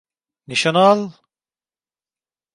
Nişan al!